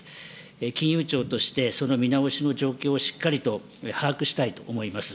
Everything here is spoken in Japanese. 金融庁としてその見直しの状況をしっかりと把握したいと思います。